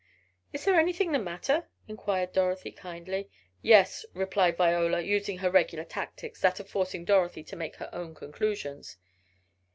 "Is there anything the matter?" inquired Dorothy, kindly. "Yes," replied Viola, using her regular tactics, that of forcing Dorothy to make her own conclusions.